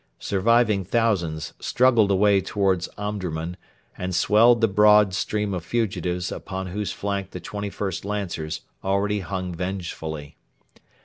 Surviving thousands struggled away towards Omdurman and swelled the broad stream of fugitives upon whose flank the 21st Lancers already hung vengefully.